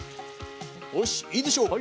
おしっいいでしょう！